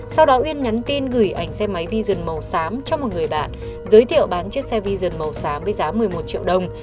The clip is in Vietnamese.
sau đó uyên nhắn tin gửi ảnh xe máy vision màu xám cho một người bạn giới thiệu bán chiếc xe vision màu xám với giá một mươi một triệu đồng